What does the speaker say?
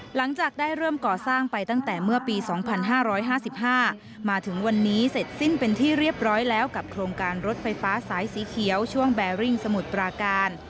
หลังจากได้เริ่มก่อสร้างไปตั้งแต่เมื่อปี๒๕๕๕มาถึงวันนี้เสร็จสิ้นเป็นที่เรียบร้อยแล้วกับโครงการรถไฟฟ้าสายสีเขียวช่วงแบริ่งสมุทรปราการ